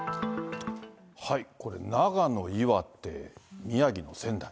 これ、長野、岩手、宮城の仙台。